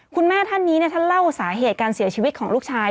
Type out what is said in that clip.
คุณแม่ท่านนี้ท่านเล่าสาเหตุการเสียชีวิตของลูกชาย